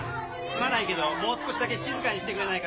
すまないけどもう少しだけ静かにしてくれないかな